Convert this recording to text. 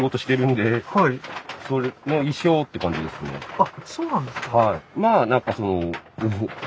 あっそうなんですか。